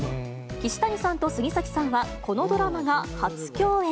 岸谷さんと杉咲さんは、このドラマが初共演。